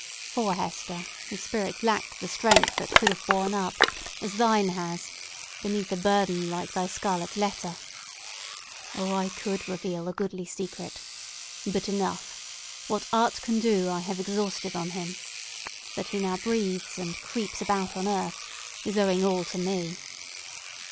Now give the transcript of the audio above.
For, Hester, his spirit lacked the strength that could have borne up, as thine has, beneath a burden like thy scarlet letter. Oh, I could reveal a goodly secret! But enough. What art can do, I have exhausted on him. That he now breathes and creeps about on earth is owing all to me!"